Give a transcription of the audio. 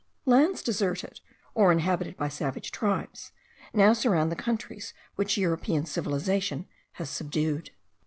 Lands deserted, or inhabited by savage tribes, now surround the countries which European civilization has subdued.